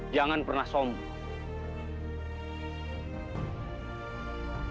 jangan pernah sombong